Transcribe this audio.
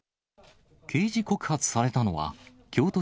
刑事告発されたのは、京都